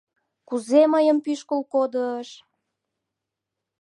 Кузе мыйым пӱшкыл кодыш!